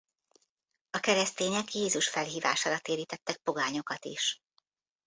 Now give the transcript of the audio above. A keresztények Jézus felhívására térítettek pogányokat is.